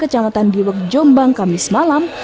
kecamatan diwak jombang kami semalam